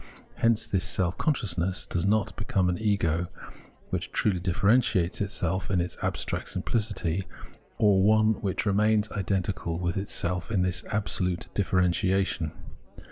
Hence this self consciousness does not become an ego which truly difierentiates itself in its abstract simpHcity, or one which remains identical with itself in this absolute differentiation.